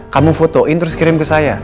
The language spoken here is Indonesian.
kamu fotoin terus kirim ke saya